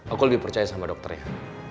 aku lebih percaya sama dokternya